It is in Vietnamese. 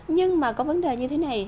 nhưng mà có vấn đề như thế này